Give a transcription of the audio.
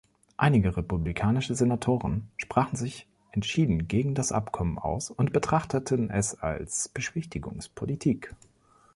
Einige republikanische Senatoren sprachen sich entschieden gegen das Abkommen aus und betrachteten es als Beschwichtigungspolitik.